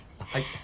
はい。